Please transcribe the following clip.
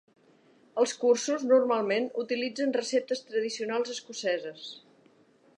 Els cursos normalment utilitzen receptes tradicionals escoceses.